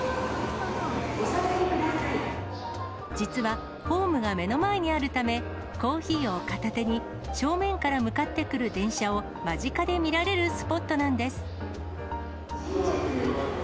実は、ホームが目の前にあるため、コーヒーを片手に、正面から向かってくる電車を間近で見られるスポットなんです。